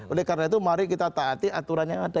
oleh karena itu mari kita taati aturan yang ada